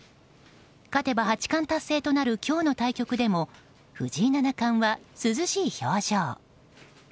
勝てば八冠達成となる今日の対局でも藤井七冠は涼しい表情。